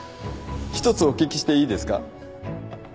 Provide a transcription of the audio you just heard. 一つお聞きしていいですか。